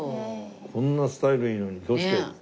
こんなスタイルいいのにどうして？